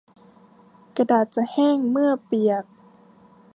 กระดาษจะแห้งเมื่อเปียก